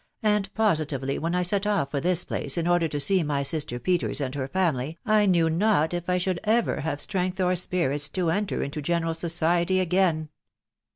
and positively, when I sot off for this place in order to gee my sister Peters and her family, I knew not if I should ever have strength or spirits to enter into general society again."